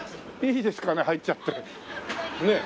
いいですかね入っちゃっても。